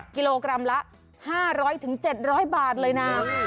กิโลกรัมละ๕๐๐๗๐๐บาทเลยนะ